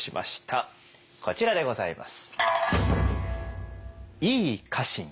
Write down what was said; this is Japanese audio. こちらでございます。